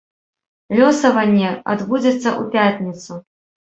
Лёсаванне адбудзецца ў пятніцу.